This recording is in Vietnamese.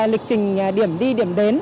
lịch trình điểm đi điểm đến